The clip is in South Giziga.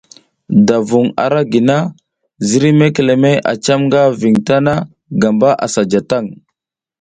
Da vung ara gi na, ziriy memeɗehey a cam nga ving tana gamba sa ja tang.